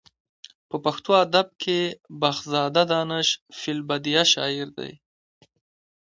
په پښتو ادب کې بخزاده دانش فې البدیه شاعر دی.